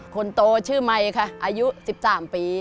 คนโตชื่อไมค์ค่ะอายุ๑๓ปี